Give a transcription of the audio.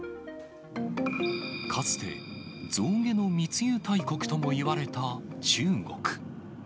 かつて、象牙の密輸大国ともいわれた中国。